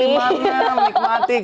ini anak limanya menikmati